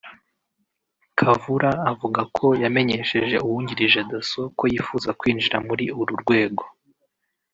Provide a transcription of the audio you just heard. Kavura avuga ko yamenyesheje uwungirije Dasso ko yifuza kwinjira muri uru rwego